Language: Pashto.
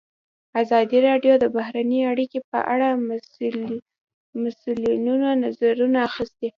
ازادي راډیو د بهرنۍ اړیکې په اړه د مسؤلینو نظرونه اخیستي.